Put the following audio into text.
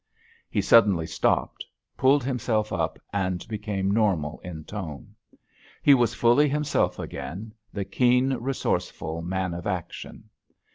He suddenly stopped, pulled himself up, and became normal in tone. He was fully himself again, the keen, resourceful man of action.